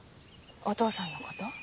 お父さんのこと？